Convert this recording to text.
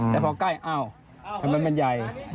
แต่พอใกล้อ้าวทำไมมันใหญ่